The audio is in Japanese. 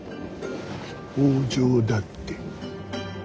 北条だって。